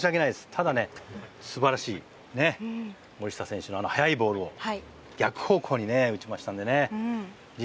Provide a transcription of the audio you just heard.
ただ、素晴らしい森下選手の速いボールを逆方向に打ちましたのでね。